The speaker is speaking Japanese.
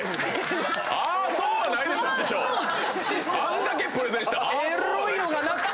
あんだけプレゼンして。